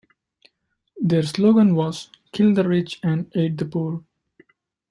Their slogan was "'kill the rich and aid the poor'".